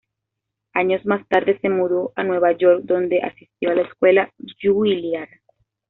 Años más tarde, se mudó a Nueva York, donde asistió a la Escuela Juilliard.